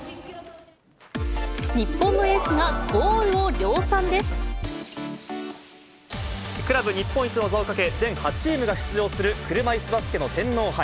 日本のエースがゴールを量産クラブ日本一の座をかけ、全８チームが出場する車いすバスケの天皇杯。